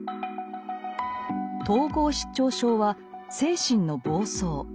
統合失調症は精神の暴走。